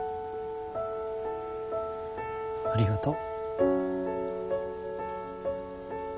ありがとう。